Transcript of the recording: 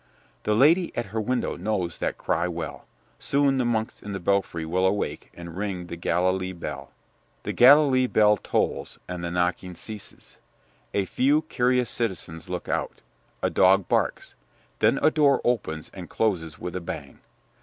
The lady at her window knows that cry well. Soon the monks in the belfry will awake and ring the Galilee bell. The Galilee bell tolls, and the knocking ceases. A few curious citizens look out. A dog barks. Then a door opens and closes with a bang.